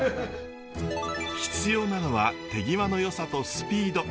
必要なのは手際のよさとスピード。